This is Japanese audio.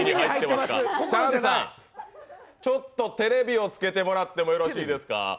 チャンさん、ちょっとテレビをつけてもらってもよろしいですか？